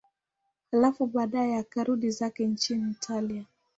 Halafu baadaye akarudi zake nchini Italia.